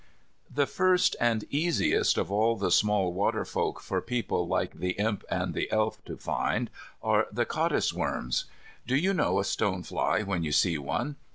The first and easiest of all the small water folk for people like the Imp and the Elf to find are the caddisworms. Do you know a stonefly when you see one?